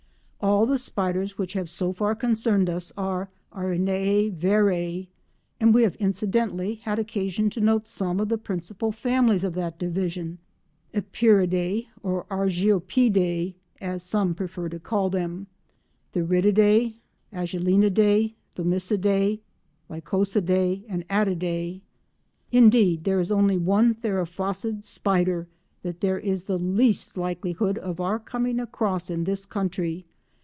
All the spiders which have so far concerned us are Araneae verae, and we have incidentally had occasion to note some of the principal families of that division—Epeiridae (or Argiopidae as some prefer to call them), Theridiidae, Agelenidae, Thomisidae, Lycosidae and Attidae. Indeed there is only one theraphosid spider that there is the least likelihood of our coming across in this country.